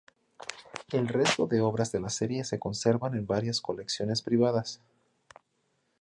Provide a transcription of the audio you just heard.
El resto de obras de la serie se conservan en varias colecciones privadas.